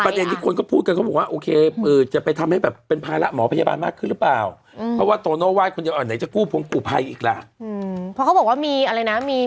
ประเด็นที่คนก็พูดกันเขาบอกว่าอืมจะไปทำให้แบบเป็นภาระหมอพยาบาล